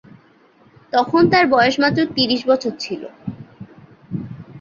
তখন তার বয়স মাত্র তিরিশ বছর ছিল।